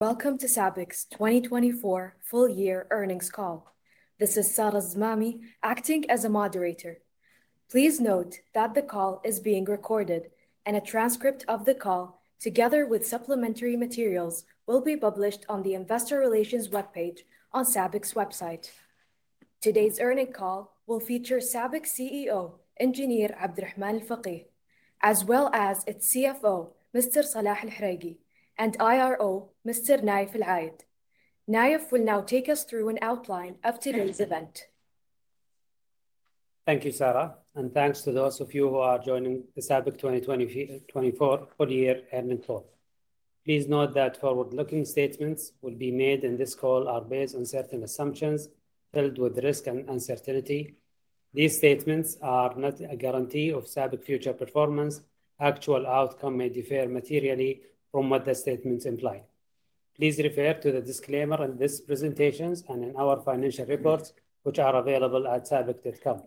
Welcome to SABIC's 2024 full-year earnings call. This is Sarah Alzamami acting as a moderator. Please note that the call is being recorded, and a transcript of the call, together with supplementary materials, will be published on the Investor Relations webpage on SABIC's website. Today's earnings call will feature SABIC CEO Engr. Abdulrahman Al-Fageeh, as well as its CFO Mr. Salah Al-Hareky, and IRO Mr. Naif AlAyed. Naif will now take us through an outline of today's event. Thank you, Sara, and thanks to those of you who are joining the SABIC 2024 full-year earnings call. Please note that forward-looking statements will be made in this call are based on certain assumptions filled with risk and uncertainty. These statements are not a guarantee of SABIC future performance. Actual outcomes may differ materially from what the statements imply. Please refer to the disclaimer in these presentations and in our financial reports, which are available at SABIC.com.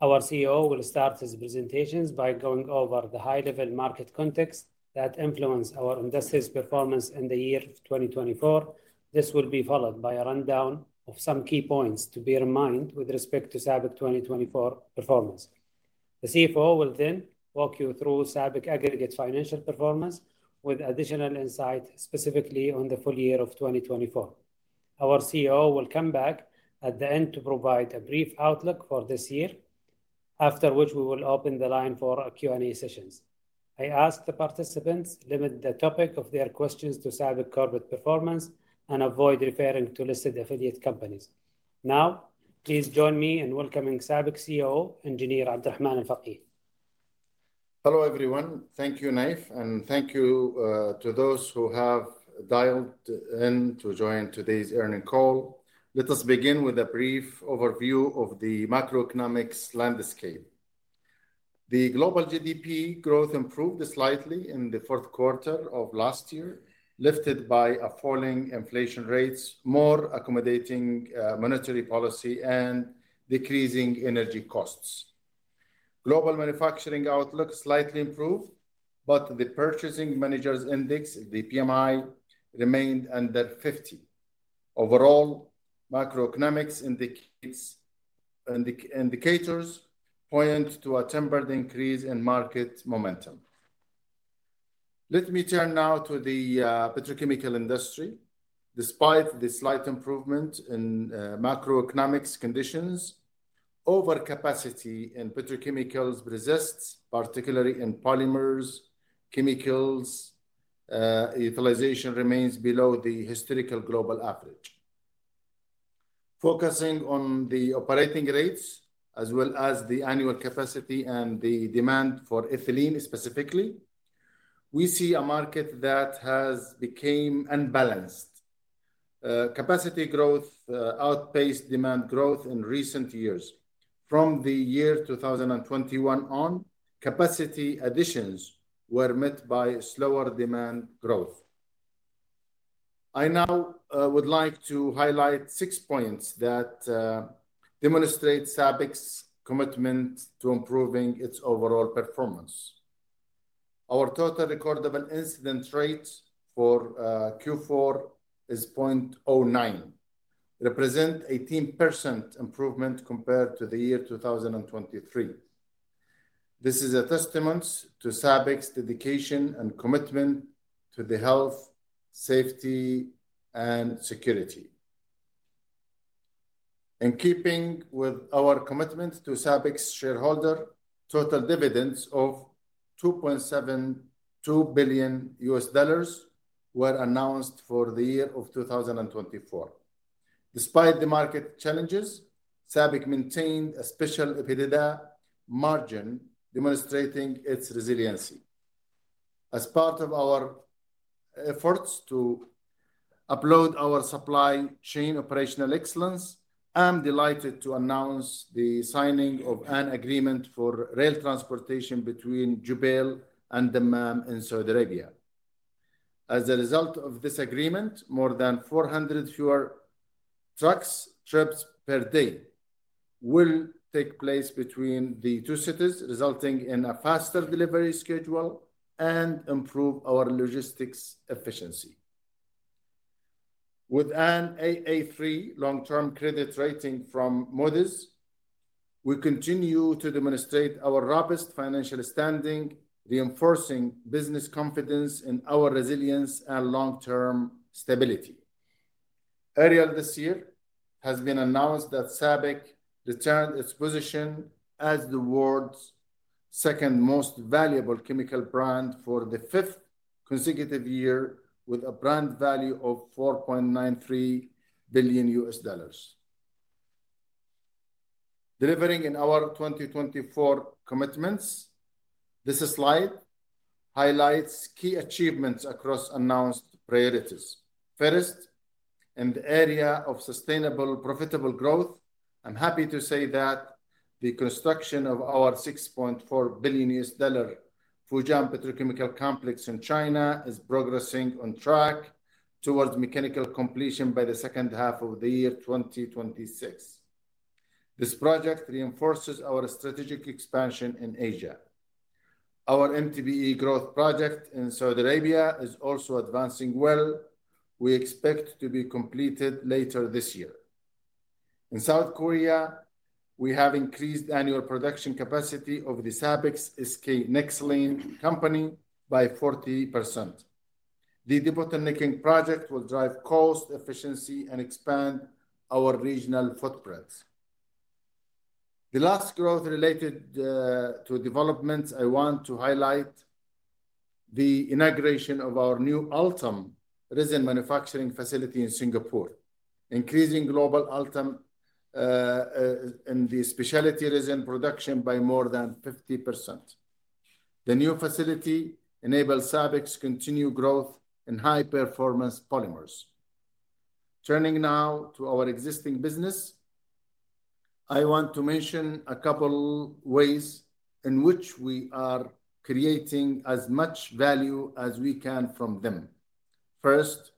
Our CEO will start his presentations by going over the high-level market context that influenced our industry's performance in the year 2024. This will be followed by a rundown of some key points to bear in mind with respect to SABIC 2024 performance. The CFO will then walk you through SABIC aggregate financial performance with additional insight, specifically on the full year of 2024. Our CEO will come back at the end to provide a brief outlook for this year, after which we will open the line for Q&A sessions. I ask the participants to limit the topic of their questions to SABIC corporate performance and avoid referring to listed affiliate companies. Now, please join me in welcoming SABIC CEO Engr. Abdulrahman Al-Fageeh. Hello, everyone. Thank you, Naif, and thank you to those who have dialed in to join today's earnings call. Let us begin with a brief overview of the macroeconomic landscape. The global GDP growth improved slightly in the fourth quarter of last year, lifted by falling inflation rates, more accommodating monetary policy, and decreasing energy costs. Global manufacturing outlook slightly improved, but the Purchasing Managers' Index, the PMI, remained under 50. Overall, macroeconomic indicators point to a tempered increase in market momentum. Let me turn now to the petrochemical industry. Despite the slight improvement in macroeconomic conditions, overcapacity in petrochemicals persists, particularly in polymers. Chemicals' utilization remains below the historical global average. Focusing on the operating rates, as well as the annual capacity and the demand for ethylene specifically, we see a market that has become unbalanced. Capacity growth outpaced demand growth in recent years. From the year 2021 on, capacity additions were met by slower demand growth. I now would like to highlight six points that demonstrate SABIC's commitment to improving its overall performance. Our total recordable incident rate for Q4 is 0.09, representing an 18% improvement compared to the year 2023. This is a testament to SABIC's dedication and commitment to the health, safety, and security. In keeping with our commitment to SABIC's shareholders, total dividends of $2.72 billion were announced for the year of 2024. Despite the market challenges, SABIC maintained a solid EBITDA margin, demonstrating its resiliency. As part of our efforts to uphold our supply chain operational excellence, I'm delighted to announce the signing of an agreement for rail transportation between Jubail and Dammam in Saudi Arabia. As a result of this agreement, more than 400 fewer truck trips per day will take place between the two cities, resulting in a faster delivery schedule and improved logistics efficiency. With an Aa3 long-term credit rating from Moody's, we continue to demonstrate our robust financial standing, reinforcing business confidence in our resilience and long-term stability. Earlier this year, it has been announced that SABIC retained its position as the world's second most valuable chemical brand for the fifth consecutive year, with a brand value of $4.93 billion. Delivering on our 2024 commitments, this slide highlights key achievements across announced priorities. First, in the area of sustainable profitable growth, I'm happy to say that the construction of our $6.4 billion Fujian Petrochemical Complex in China is progressing on track towards mechanical completion by the second half of the year 2026. This project reinforces our strategic expansion in Asia. Our MTBE growth project in Saudi Arabia is also advancing well. We expect it to be completed later this year. In South Korea, we have increased the annual production capacity of SABIC SK Nexlene Company by 40%. The debottlenecking project will drive cost efficiency and expand our regional footprint. The last growth related to developments I want to highlight is the inauguration of our new ULTEM resin manufacturing facility in Singapore, increasing global ULTEM specialty resin production by more than 50%. The new facility enables SABIC's continued growth in high-performance polymers. Turning now to our existing business, I want to mention a couple of ways in which we are creating as much value as we can from them. First,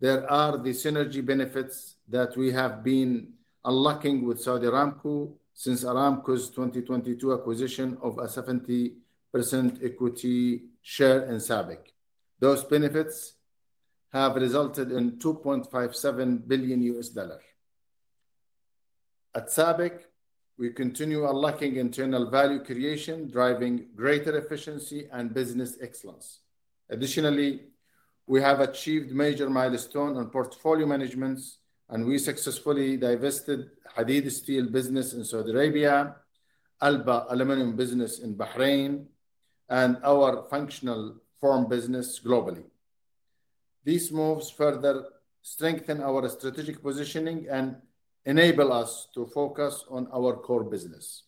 there are the synergy benefits that we have been unlocking with Saudi Aramco since Aramco's 2022 acquisition of a 70% equity share in SABIC. Those benefits have resulted in $2.57 billion US dollars. At SABIC, we continue unlocking internal value creation, driving greater efficiency and business excellence. Additionally, we have achieved major milestones on portfolio management, and we successfully divested Hadeed steel business in Saudi Arabia, Alba aluminum business in Bahrain, and our Functional Forms business globally. These moves further strengthen our strategic positioning and enable us to focus on our core business.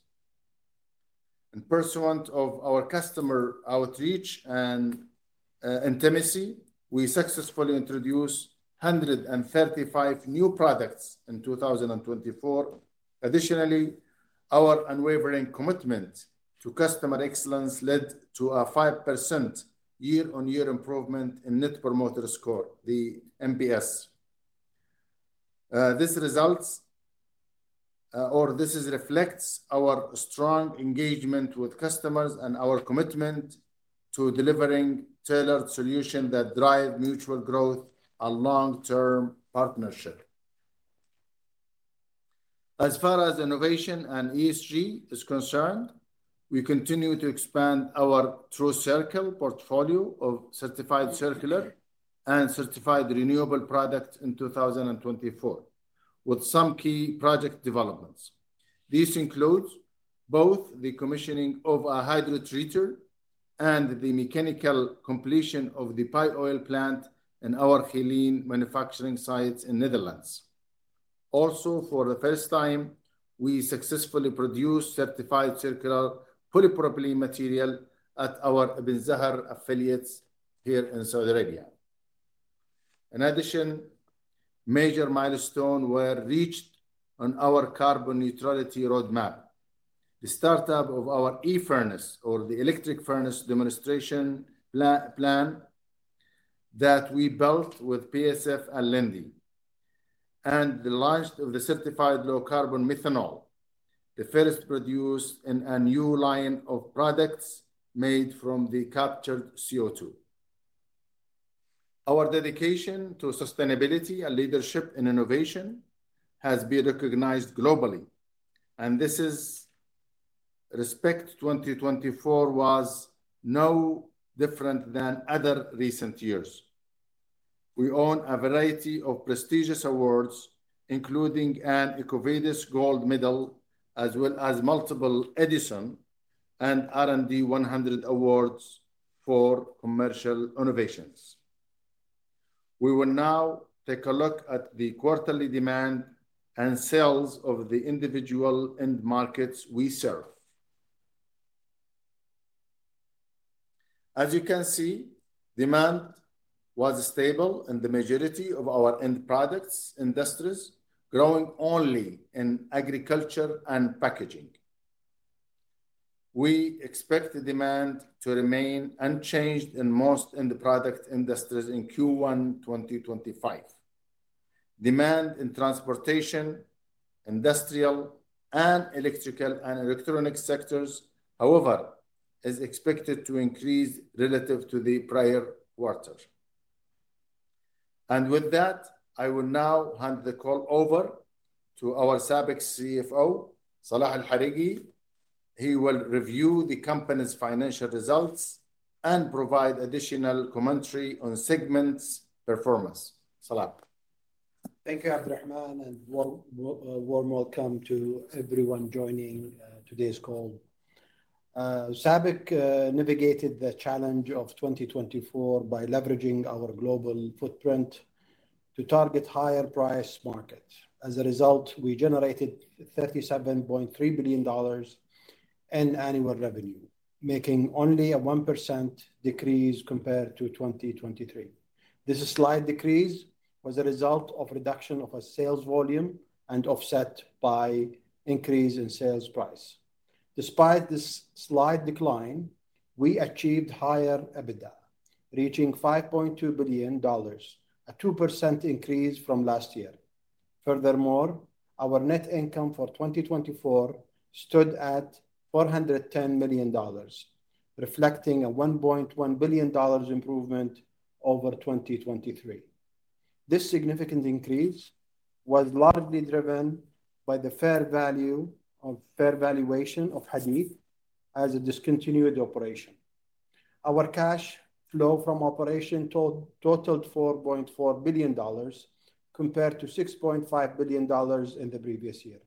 Pursuant to our customer outreach and intimacy, we successfully introduced 135 new products in 2024. Additionally, our unwavering commitment to customer excellence led to a 5% year-on-year improvement in Net Promoter Score, the NPS. This results, or this reflects our strong engagement with customers and our commitment to delivering tailored solutions that drive mutual growth and long-term partnership. As far as innovation and ESG is concerned, we continue to expand our TRUCIRCLE portfolio of certified circular and certified renewable products in 2024, with some key project developments. These include both the commissioning of a hydrotreater and the mechanical completion of the pyoil plant in our Geleen manufacturing sites in the Netherlands. Also, for the first time, we successfully produced certified circular polypropylene material at our Ibn Zahr affiliates here in Saudi Arabia. In addition, major milestones were reached on our carbon neutrality roadmap: the startup of our e-furnaces, or the electric furnace demonstration plan that we built with BASF and Linde, and the launch of the certified low-carbon methanol, the first produced in a new line of products made from the captured CO2. Our dedication to sustainability and leadership in innovation has been recognized globally, and in this respect, 2024 was no different than other recent years. We won a variety of prestigious awards, including an EcoVadis Gold Medal, as well as multiple Edison and R&D 100 awards for commercial innovations. We will now take a look at the quarterly demand and sales of the individual end markets we serve. As you can see, demand was stable in the majority of our end products industries, growing only in agriculture and packaging. We expect the demand to remain unchanged in most end product industries in Q1 2025. Demand in transportation, industrial, and electrical and electronics sectors, however, is expected to increase relative to the prior quarter. And with that, I will now hand the call over to our SABIC CFO, Salah Al-Hareky. He will review the company's financial results and provide additional commentary on segments' performance. Salah. Thank you, Abdulrahman, and warm welcome to everyone joining today's call. SABIC navigated the challenge of 2024 by leveraging our global footprint to target higher price markets. As a result, we generated $37.3 billion in annual revenue, making only a 1% decrease compared to 2023. This slight decrease was the result of a reduction of sales volume and offset by an increase in sales price. Despite this slight decline, we achieved higher EBITDA, reaching $5.2 billion, a 2% increase from last year. Furthermore, our net income for 2024 stood at $410 million, reflecting a $1.1 billion improvement over 2023. This significant increase was largely driven by the fair value valuation of Hadeed as a discontinued operation. Our cash flow from operation totaled $4.4 billion compared to $6.5 billion in the previous year.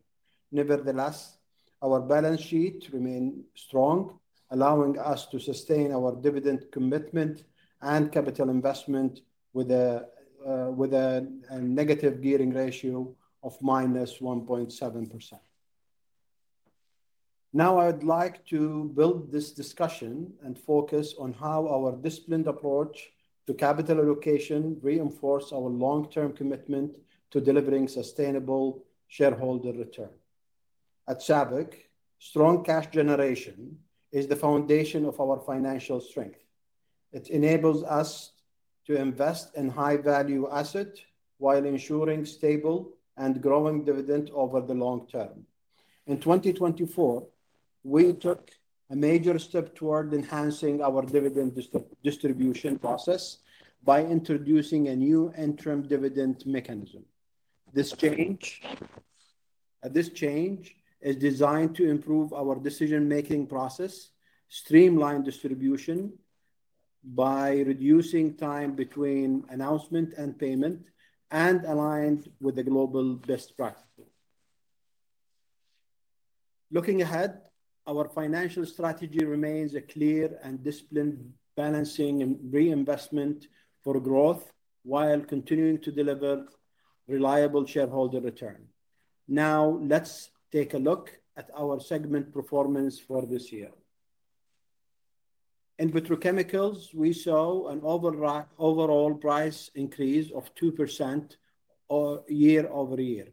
Nevertheless, our balance sheet remained strong, allowing us to sustain our dividend commitment and capital investment with a negative gearing ratio of minus 1.7%. Now, I'd like to build this discussion and focus on how our disciplined approach to capital allocation reinforces our long-term commitment to delivering sustainable shareholder return. At SABIC, strong cash generation is the foundation of our financial strength. It enables us to invest in high-value assets while ensuring stable and growing dividends over the long term. In 2024, we took a major step toward enhancing our dividend distribution process by introducing a new interim dividend mechanism. This change is designed to improve our decision-making process, streamline distribution by reducing time between announcement and payment, and aligned with the global best practices. Looking ahead, our financial strategy remains a clear and disciplined balancing and reinvestment for growth while continuing to deliver reliable shareholder return. Now, let's take a look at our segment performance for this year. In petrochemicals, we saw an overall price increase of 2% year over year,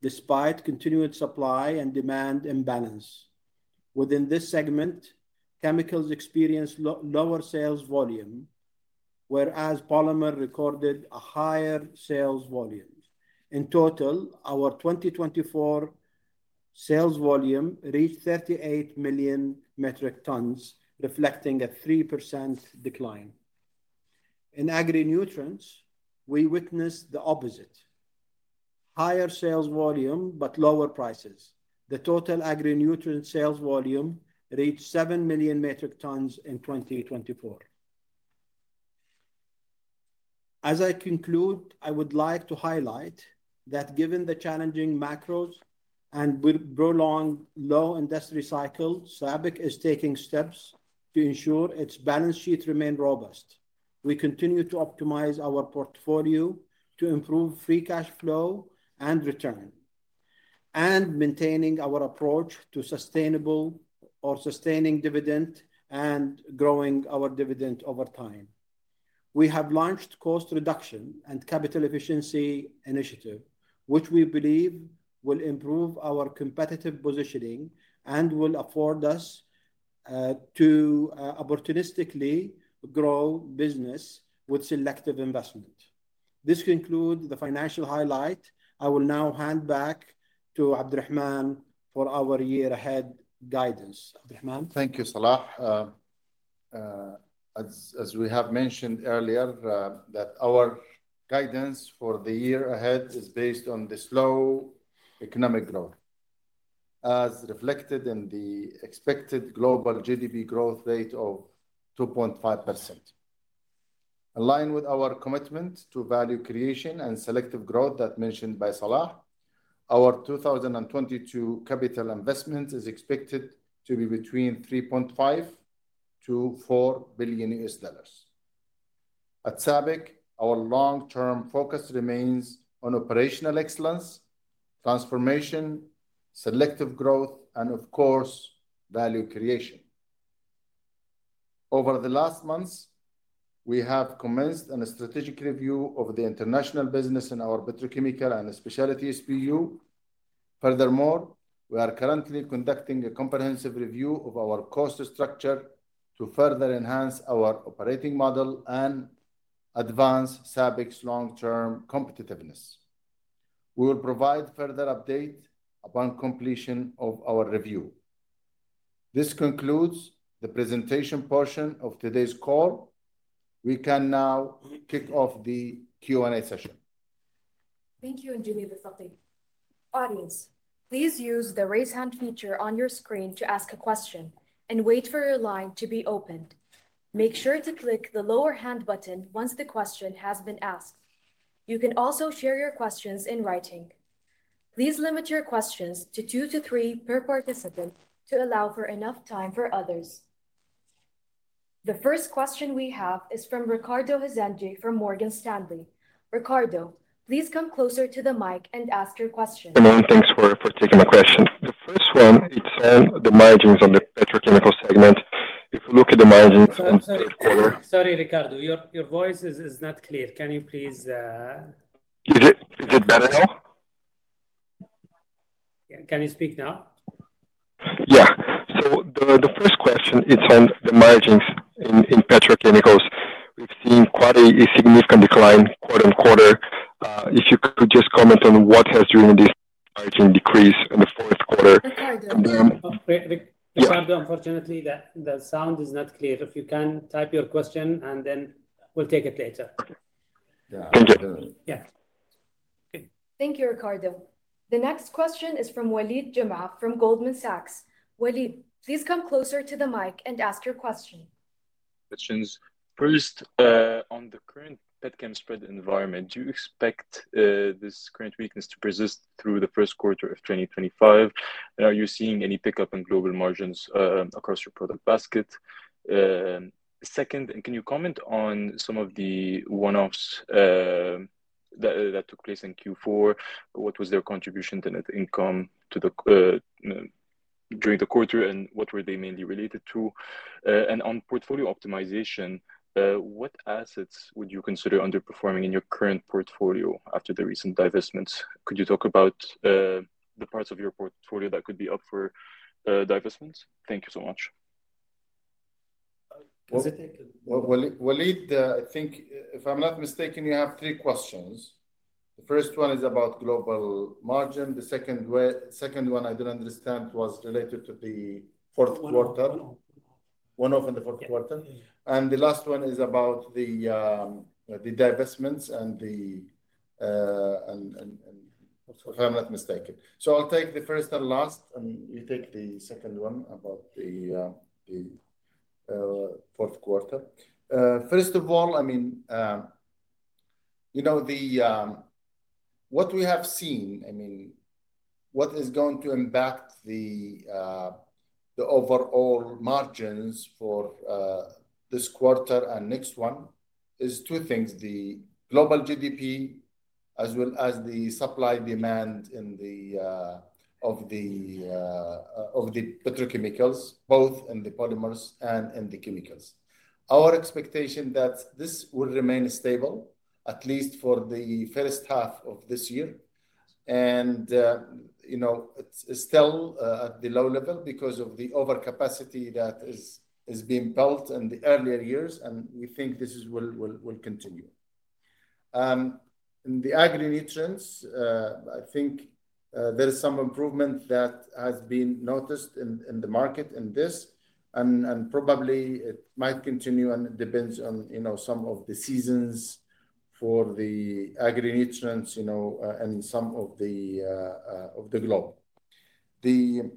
despite continued supply and demand imbalance. Within this segment, chemicals experienced lower sales volume, whereas polymer recorded a higher sales volume. In total, our 2024 sales volume reached 38 million metric tons, reflecting a 3% decline. In agri-nutrients, we witnessed the opposite: higher sales volume but lower prices. The total agri-nutrient sales volume reached 7 million metric tons in 2024. As I conclude, I would like to highlight that given the challenging macros and prolonged low industry cycles, SABIC is taking steps to ensure its balance sheet remains robust. We continue to optimize our portfolio to improve free cash flow and return, and maintain our approach to sustainable or sustaining dividend and growing our dividend over time. We have launched cost reduction and capital efficiency initiatives, which we believe will improve our competitive positioning and will afford us to opportunistically grow business with selective investment. This concludes the financial highlight. I will now hand back to Abdulrahman for our year-ahead guidance. Abdulrahman. Thank you, Salah. As we have mentioned earlier, our guidance for the year ahead is based on the slow economic growth, as reflected in the expected global GDP growth rate of 2.5%. Aligned with our commitment to value creation and selective growth that was mentioned by Salah, our 2022 capital investment is expected to be between $3.5-$4 billion. At SABIC, our long-term focus remains on operational excellence, transformation, selective growth, and, of course, value creation. Over the last months, we have commenced a strategic review of the international business in our petrochemical and specialty SPU. Furthermore, we are currently conducting a comprehensive review of our cost structure to further enhance our operating model and advance SABIC's long-term competitiveness. We will provide further updates upon completion of our review. This concludes the presentation portion of today's call. We can now kick off the Q&A session. Thank you, Engineer Abdulrahman Al-Fageeh. Audience, please use the raise hand feature on your screen to ask a question and wait for your line to be opened. Make sure to click the lower hand button once the question has been asked. You can also share your questions in writing. Please limit your questions to two to three per participant to allow for enough time for others. The first question we have is from Ricardo Rezende from Morgan Stanley. Ricardo, please come closer to the mic and ask your question. Good morning. Thanks for taking the question. The first one, it's on the margins on the petrochemical segment. If you look at the margins on third quarter. Sorry, Ricardo, your voice is not clear. Can you please? Is it better now? Can you speak now? Yeah, so the first question, it's on the margins in petrochemicals. We've seen quite a significant decline quarter on quarter. If you could just comment on what has driven this margin decrease in the fourth quarter. Ricardo, unfortunately, the sound is not clear. If you can type your question, and then we'll take it later. Okay. Thank you. Yeah. Thank you, Ricardo. The next question is from Waleed Jimma from Goldman Sachs. Waleed, please come closer to the mic and ask your question. Questions. First, on the current pet chem spread environment, do you expect this current weakness to persist through the first quarter of 2025? And are you seeing any pickup in global margins across your product basket? Second, can you comment on some of the one-offs that took place in Q4? What was their contribution to net income during the quarter, and what were they mainly related to? And on portfolio optimization, what assets would you consider underperforming in your current portfolio after the recent divestments? Could you talk about the parts of your portfolio that could be up for divestments? Thank you so much. Waleed, I think, if I'm not mistaken, you have three questions. The first one is about global margin. The second one, I don't understand, was related to the fourth quarter, one-off in the fourth quarter. And the last one is about the divestments and the, if I'm not mistaken. So I'll take the first and last, and you take the second one about the fourth quarter. First of all, I mean, you know what we have seen, I mean, what is going to impact the overall margins for this quarter and next one is two things: the global GDP, as well as the supply demand of the petrochemicals, both in the polymers and in the chemicals. Our expectation is that this will remain stable, at least for the first half of this year. It's still at the low level because of the overcapacity that has been built in the earlier years, and we think this will continue. In the agri-nutrients, I think there is some improvement that has been noticed in the market in this, and probably it might continue, and it depends on some of the seasons for the agri-nutrients and some of the globe. The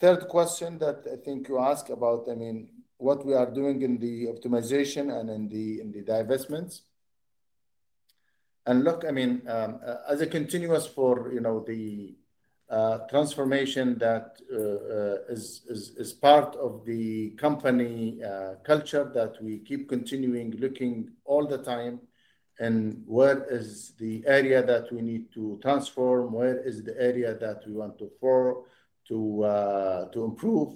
third question that I think you asked about, I mean, what we are doing in the optimization and in the divestments. Look, I mean, as a continuous for the transformation that is part of the company culture that we keep continuing looking all the time and where is the area that we need to transform, where is the area that we want to improve.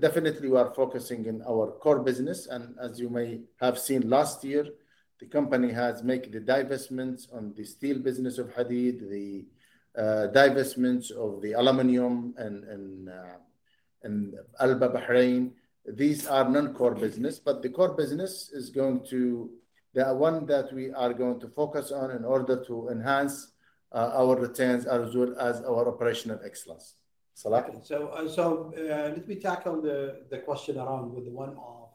Definitely, we are focusing on our core business. And as you may have seen last year, the company has made the divestments on the steel business of Hadeed, the divestments of the aluminum in Alba, Bahrain. These are non-core businesses, but the core business is going to be the one that we are going to focus on in order to enhance our returns as well as our operational excellence. Salah? So let me tackle the question around with the one-off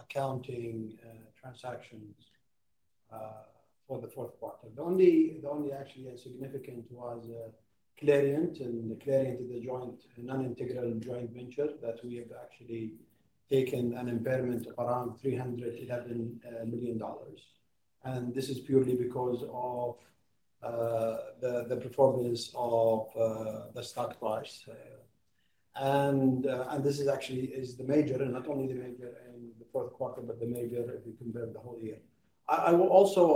accounting transactions for the fourth quarter. The only actually significant was Clariant and the Clariant to the joint non-integral joint venture that we have actually taken an impairment of around $311 million. And this is purely because of the performance of the stock price. And this is actually the major, and not only the major in the fourth quarter, but the major if you compare the whole year. I will also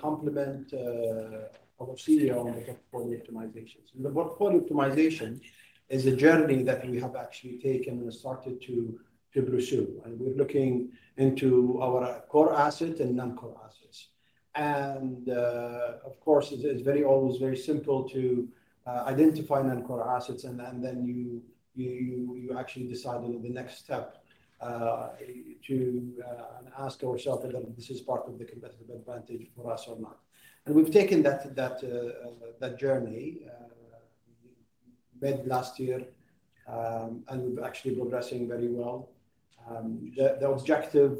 complement our CDR on the portfolio optimizations. The portfolio optimization is a journey that we have actually taken and started to pursue, and we're looking into our core assets and non-core assets. Of course, it's always very simple to identify non-core assets, and then you actually decide on the next step to ask yourself whether this is part of the competitive advantage for us or not, and we've taken that journey, met last year, and we're actually progressing very well. The objective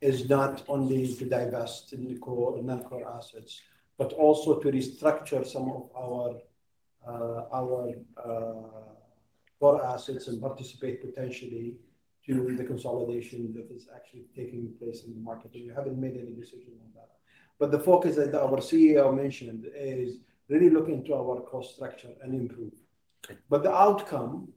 is not only to divest in the core and non-core assets, but also to restructure some of our core assets and participate potentially to the consolidation that is actually taking place in the market. We haven't made any decision on that, but the focus that our CEO mentioned is really looking to our cost structure and improve, but the outcome,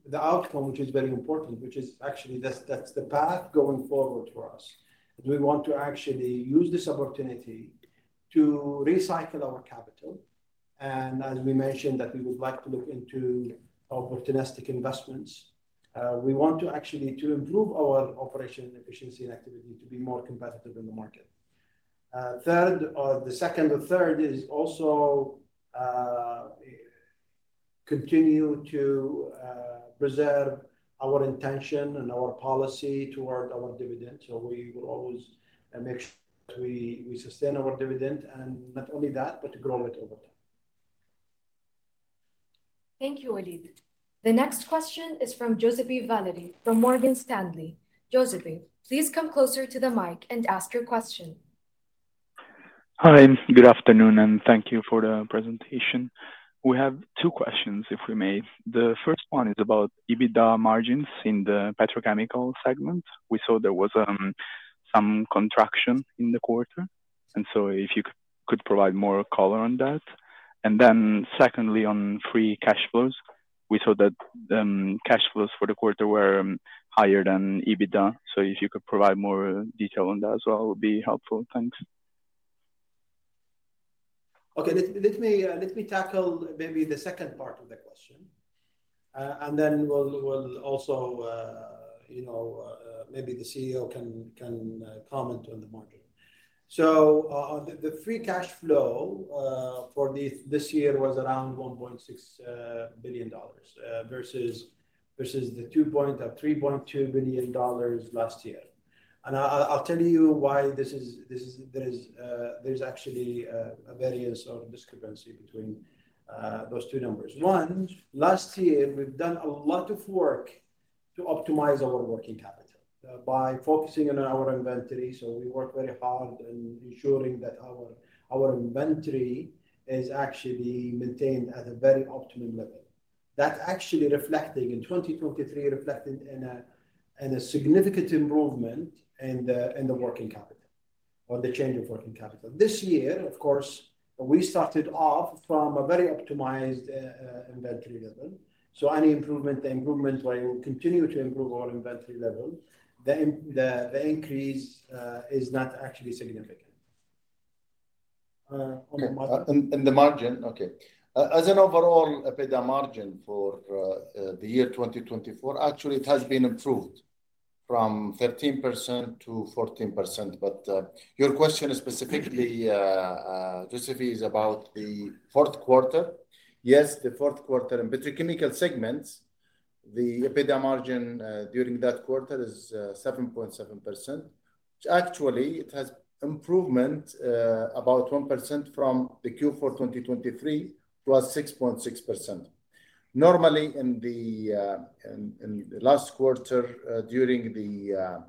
which is very important, which is actually that's the path going forward for us. We want to actually use this opportunity to recycle our capital, and as we mentioned that we would like to look into opportunistic investments. We want to actually improve our operation efficiency and activity to be more competitive in the market. Third, the second or third is also continue to preserve our intention and our policy toward our dividend. So we will always make sure that we sustain our dividend and not only that, but to grow it over time. Thank you, Waleed. The next question is from Joseph Valladie from Morgan Stanley. Joseph, please come closer to the mic and ask your question. Hi, good afternoon, and thank you for the presentation. We have two questions, if we may. The first one is about EBITDA margins in the petrochemical segment. We saw there was some contraction in the quarter, and so if you could provide more color on that. And then secondly, on free cash flows, we saw that cash flows for the quarter were higher than EBITDA, so if you could provide more detail on that as well, it would be helpful. Thanks. Okay, let me tackle maybe the second part of the question. And then we'll also maybe the CEO can comment on the margin. So the free cash flow for this year was around $1.6 billion versus the $2.2 billion last year. And I'll tell you why there is actually a variance or discrepancy between those two numbers. One, last year, we've done a lot of work to optimize our working capital by focusing on our inventory. So we work very hard in ensuring that our inventory is actually maintained at a very optimum level. That's actually reflecting in 2023, reflecting in a significant improvement in the working capital or the change of working capital. This year, of course, we started off from a very optimized inventory level. So any improvement, the improvement where we will continue to improve our inventory level, the increase is not actually significant. In the margin, okay. As an overall EBITDA margin for the year 2024, actually, it has been improved from 13% to 14%. But your question specifically, Joseph, is about the fourth quarter. Yes, the fourth quarter in petrochemical segments, the EBITDA margin during that quarter is 7.7%. Actually, it has improvement about 1% from the Q4 2023, plus 6.6%. Normally, in the last quarter during the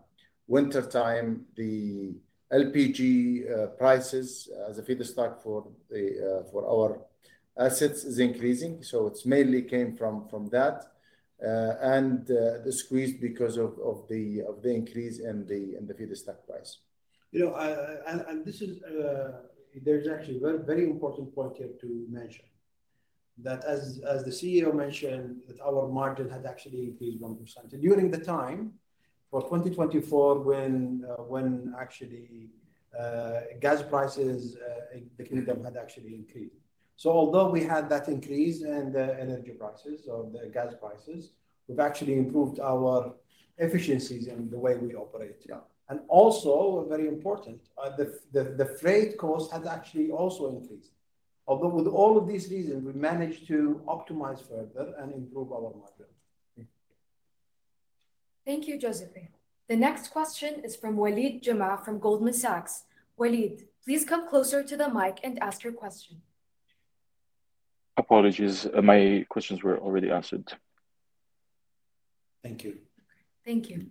wintertime, the LPG prices as a feedstock for our assets is increasing. So it mainly came from that and the squeeze because of the increase in the feedstock price. And there's actually a very important point here to mention that as the CEO mentioned, our margin had actually increased 1% during the time for 2024 when actually gas prices had actually increased. So although we had that increase in the energy prices or the gas prices, we've actually improved our efficiencies in the way we operate. And also, very important, the freight cost has actually also increased. Although with all of these reasons, we managed to optimize further and improve our margin. Thank you, Joseph. The next question is from Waleed Jimma from Goldman Sachs. Waleed, please come closer to the mic and ask your question. Apologies. My questions were already answered. Thank you. Thank you.